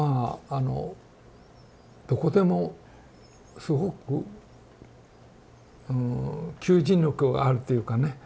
あのどこでもすごく求人力があるというかね